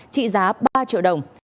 trị giá ba triệu đồng